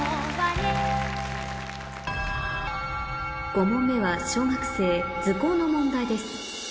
５問目は小学生図工の問題です